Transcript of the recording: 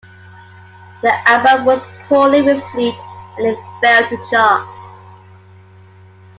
The album was poorly received and it failed to chart.